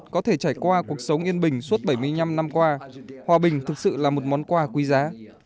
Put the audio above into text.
có thể trải qua cuộc sống yên bình suốt bảy mươi năm năm qua hòa bình thực sự là một món quà quý giá